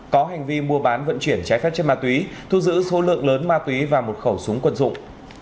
có hành vi mua bán vận chuyển trái phép chất ma túy thu giữ số lượng lớn ma túy và một khẩu súng quân dụng